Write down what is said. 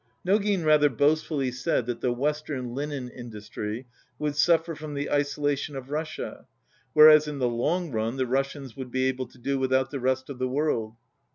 Nogin rather boastfully said that the western linen industry would suffer from the isolation of Russia, whereas in the long run the Russians would be able to do without the rest of the world.